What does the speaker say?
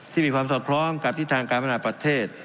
มีความสอดคล้องกับทิศทางการพัฒนาประเทศ